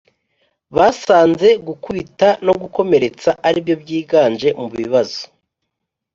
Basanze gukubita no gukomeretsa aribyo byiganje mu bibazo